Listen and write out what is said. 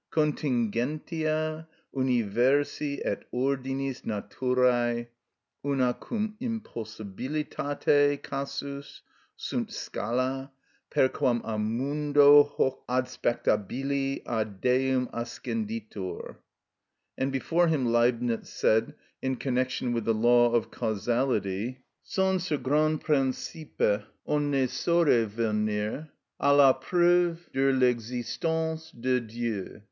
Contingentia universi et ordinis naturæ, una cum impossibilitate casus, sunt scala, per quam a mundo hoc adspectabili ad Deum ascenditur._ And, before him, Leibnitz said, in connection with the law of causality: Sans ce grand principe on ne saurait venir à la preuve de l'existence de Dieu.